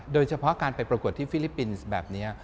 โดยเฉพาะการไปประกวดที่ฟิลิปปินส์แบบนี้